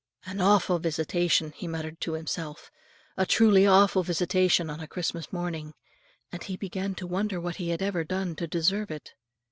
"An awfu' visitation," he muttered to himself, "a truly awfu' visitation on a Christmas morning;" and he began to wonder what he had ever done to deserve it.